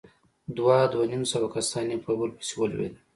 دوه، دوه نيم سوه کسان يو په بل پسې ولوېدل.